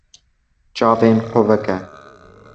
Çavên xwe veke.